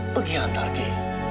pergi antar ke